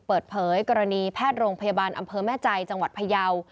เปิดเผยกรณีแพทย์โรงพยาบาลอำเภอแม่ใจจังหวัดพยาว